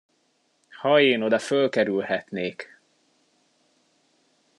Ha én oda fölkerülhetnék!